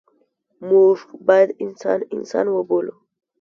موږ باید انسان انسان وبولو.